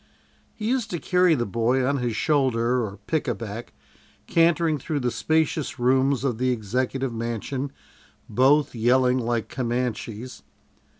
He used to carry the boy on his shoulder or "pick a back," cantering through the spacious rooms of the Executive Mansion, both yelling like Comanches.